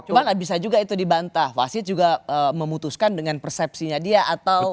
cuma bisa juga itu dibantah wasit juga memutuskan dengan persepsinya dia atau